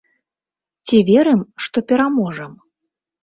Ці верым, што пераможам?